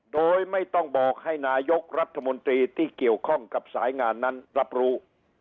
โดยไม่ต้องบอกให้นายกรัฐมนตรีที่เกี่ยวข้องกับสายงานนั้นรับรู้